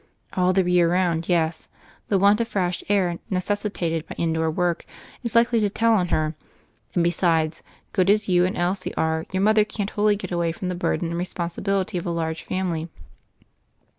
"All the year round, yes. The want of fresh air necessitated by indoor work is likely to tell on her; and besides, good as you and Elsie are, your mother can't wholly get away from the burden and responsibility of a large family."